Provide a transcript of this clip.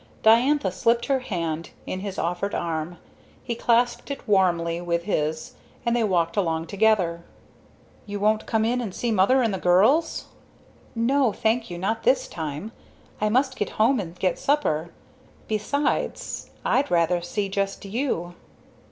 Diantha slipped her hand in his offered arm he clasped it warmly with his, and they walked along together. "You won't come in and see mother and the girls?" "No, thank you; not this time. I must get home and get supper. Besides, I'd rather see just you."